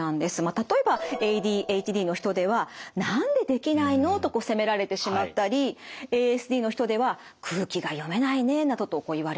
例えばＡＤＨＤの人では「なんでできないの？」と責められてしまったりＡＳＤの人では「空気が読めないね」などと言われてしまったりするわけです。